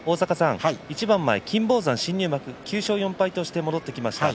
一番前の金峰山９勝４敗として戻ってきました。